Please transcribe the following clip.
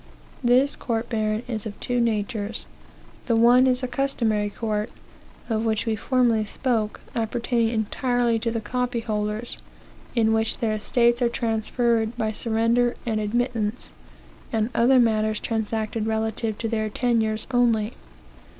This court baron is of two natures; the one is a customary court, of which we formerly spoke, appertaining entirely to the copy holders, in which their estates are transferred by surrender and admittance, and other matters transacted relative to their tenures only.